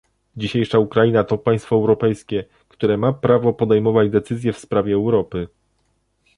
Dzisiejsza Ukraina to państwo europejskie, które ma prawo podejmować decyzje w sprawie Europy